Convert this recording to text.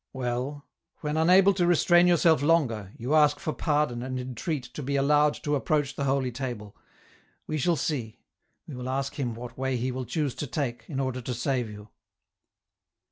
Well, when unable to restrain yourself longer, you ask for pardon and entreat to be allowed to approach the Holy Table, we shall see, we will ask Him what way He will choose to take, in order to save you."